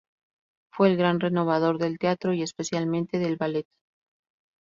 Fue el gran renovador del teatro y especialmente del ballet.